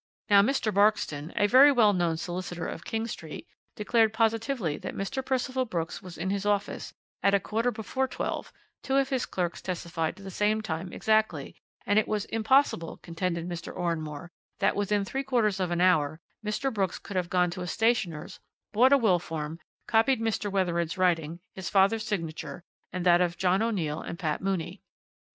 Now, Mr. Barkston, a very well known solicitor of King Street, declared positively that Mr. Percival Brooks was in his office at a quarter before twelve; two of his clerks testified to the same time exactly, and it was impossible, contended Mr. Oranmore, that within three quarters of an hour Mr. Brooks could have gone to a stationer's, bought a will form, copied Mr. Wethered's writing, his father's signature, and that of John O'Neill and Pat Mooney.